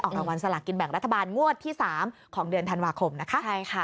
ออกรางวัลสลักกินแบบรัฐบาลงวดที่๓ของเดือนธันวาคมนะคะ